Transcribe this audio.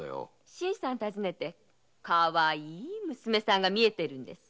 新さんを訪ねてかわいい娘さんがみえてるんです。